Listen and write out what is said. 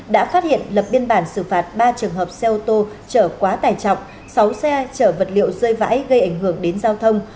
đã phát hiện lập biên bản xử phạt ba trường hợp xe ô tô trở quá tải trọng sáu xe chở vật liệu rơi vãi gây ảnh hưởng đến giao thông